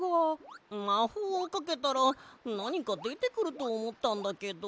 まほうをかけたらなにかでてくるとおもったんだけど。